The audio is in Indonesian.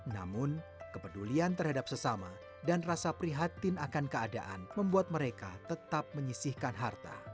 namun kepedulian terhadap sesama dan rasa prihatin akan keadaan membuat mereka tetap menyisihkan harta